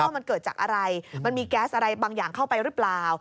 มันเกิดจากอะไรมันมีแก๊สอะไรบางอย่างเข้าไปหรือเปล่า